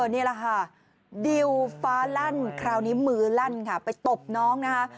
นี่แหละค่ะดิวฟ้าลั่นคราวนี้มือลั่นค่ะไปตบน้องนะคะ